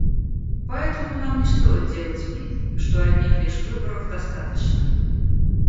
Поэтому нам не стоит делать вид, что одних лишь выборов достаточно.